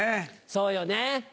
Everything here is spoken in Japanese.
そうよね。